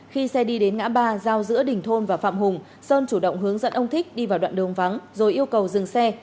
khi xe đi đến ngã ba giao giữa đình thôn và phạm hùng sơn chủ động hướng dẫn ông thích đi vào đoạn đường vắng rồi yêu cầu dừng xe